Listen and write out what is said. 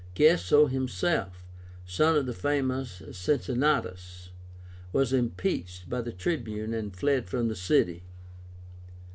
Kaeso himself, son of the famous Cincinnátus, was impeached by the Tribune and fled from the city.